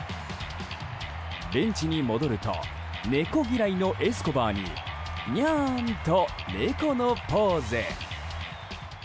ベンチに戻ると猫嫌いのエスコバーににゃーん！と猫のポーズ。